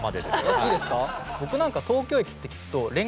いいですか。